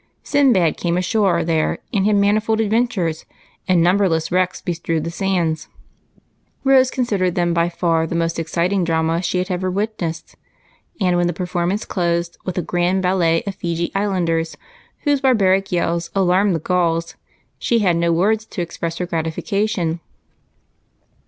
Sinbad came ashore there and had manifold adventures, and numberless wrecks bestrewed the sands. Rose considered them by far the most exciting dramas she had ever witnessed ; and when the perform ance closed with a grand ballet of Feejee Islanders, v\'hose barbaric yells alarmed the gulls, she had no words in which to express her gratification.